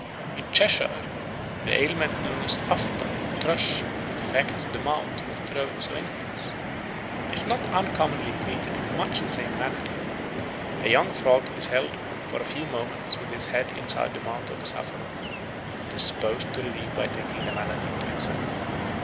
In Cheshire the ailment known as aphtha or thrush, which affects the mouth or throat of infants, is not uncommonly treated in much the same manner. A young frog is held for a few moments with its head inside the mouth of the sufferer, whom it is supposed to relieve by taking the malady to itself.